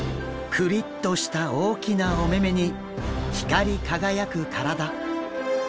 クリッとした大きなお目々に光り輝く体。